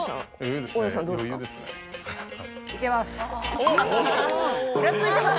いけます。